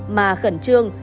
mà khẩn trương